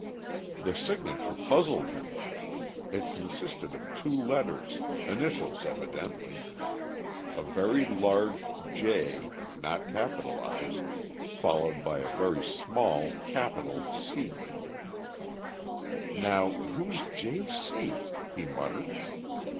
The signature puzzled him; it consisted of two letters, initials evidently, a very large j, not capitalized, followed by a very small capital C. "Now, who's J.C.?" he muttered.